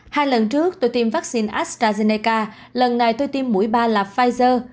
hai lần trước tôi tiêm vaccine astrazeneca lần này tôi tiêm mũi ba là pfizer